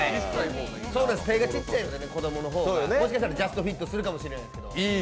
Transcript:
手がちっちゃいのでね、子供の方がもしかしたらジャストフィットするかもしれない。